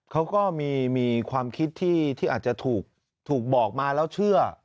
เขาก็มีความคิดที่อาจจะถูกบอกมาแล้วเชื่อ